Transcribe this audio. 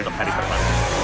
untuk hari pertama